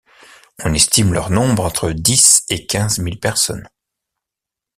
On estime leur nombre entre dix et quinze mille personnes.